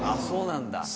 そうなんだ。